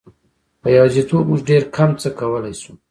په یوازیتوب موږ ډېر کم څه کولای شو.